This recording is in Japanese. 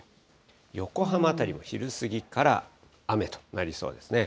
横浜辺りも昼過ぎから雨となりそうですね。